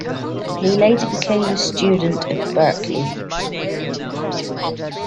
He later became a student at Berklee.